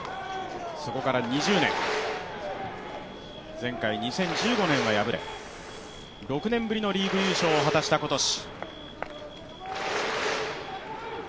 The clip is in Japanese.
そこから２０年、前回２０１５年は敗れ６年ぶりのリーグ優勝を果たした今年。